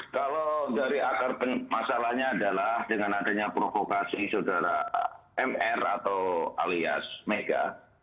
kalau dari akar masalahnya adalah dengan adanya provokasi saudara mr atau alias mega